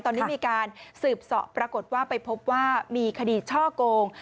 ตอนนี้มีการสืบสอบปรากฏว่าไปพบว่ามีคดีช่อโกง